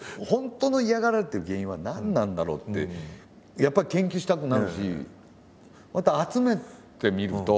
「本当の嫌がられてる原因は何なんだろう？」ってやっぱり研究したくなるし。